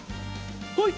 ほい！